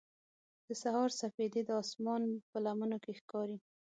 د سهار سپېدې د اسمان په لمنو کې ښکاري.